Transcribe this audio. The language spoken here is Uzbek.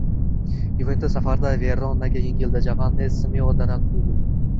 “Yuventus” safarda “Verona”ga yengildi, Jovanni Simeonedan dubl